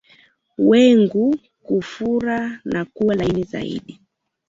Wengu kufura na kuwa laini zaidi